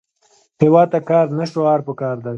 هیواد ته کار، نه شعار پکار دی